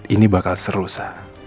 ini bakal seru sa